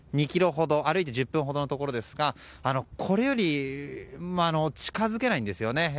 ２ｋｍほど歩いて１０分ほどのところですがこれより近づけないんですよね。